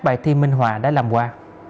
bài thi minh hòa đã làm qua